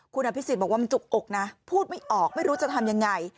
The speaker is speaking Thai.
คุณอภิษฎบอกว่ามันจุกอกนะพูดไม่ออกไม่รู้จะทำยังไง